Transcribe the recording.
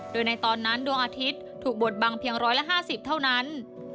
โดยในตอนนั้นดวงอาทิตย์ถูกบดบังเพียง๑๕๐เท่านั้น